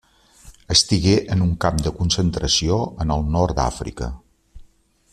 Estigué en un camp de concentració en el nord d’Àfrica.